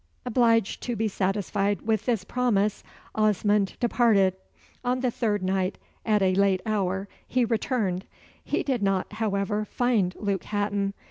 Obliged to be satisfied with this promise, Osmond departed. On the third night, at a late hour, he returned. He did not, however, find Luke Hatton.